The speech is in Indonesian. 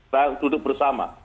saya duduk bersama